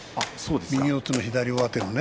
右四つ左上手がね。